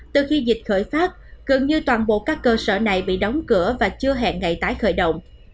từ khi dịch khởi phát gần như toàn bộ các cơ sở này bị đóng cửa và chưa hẹn ngày tái khởi động